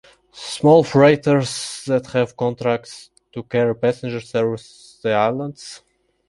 Small freighters that have contracts to carry passengers service the islands.